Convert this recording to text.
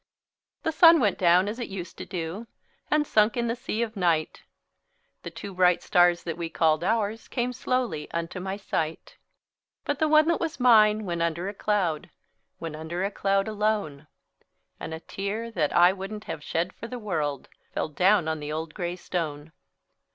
The sun went down as it used to do, And sunk in the sea of night; The two bright stars that we called ours Came slowly unto my sight; But the one that was mine went under a cloud— Went under a cloud, alone; And a tear that I wouldn't have shed for the world, Fell down on the old gray stone.